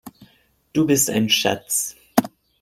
Du bist ein Schatz!